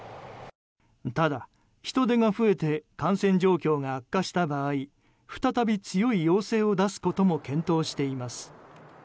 ただ、人出が増えて感染状況が悪化した場合再び強い要請を出すことも検討しています。